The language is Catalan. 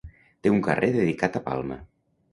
Té un carrer dedicat a Palma.